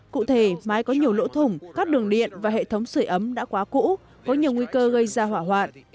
cụ thể mái có nhiều lỗ thủng các đường điện và hệ thống sửa ấm đã quá cũ có nhiều nguy cơ gây ra hỏa hoạn